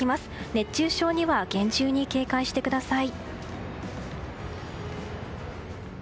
熱中症には厳重に警戒してください。